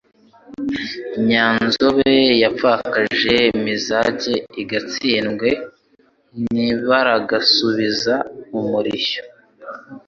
Nyanzobe yapfakaje Mizage I Gatsindwe ntibaragasubiza umurishyo,